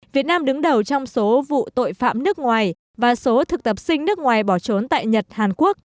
việt nam đứng đầu trong số vụ tội phạm nước ngoài và số thực tập sinh nước ngoài bỏ trốn tại nhật hàn quốc